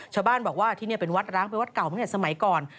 ชาวบ้านบอกว่าที่นี่เป็นวัดร้างเป็นวัดเก่าตั้งแต่สมัยก่อน